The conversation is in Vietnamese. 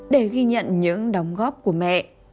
để ghi nhận những đóng góp của mẹ